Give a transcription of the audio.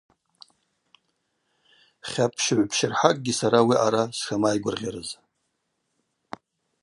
Хьапщ гӏвпщырхӏакӏгьи сара ауи аъара сшамайгвыргъьарыз.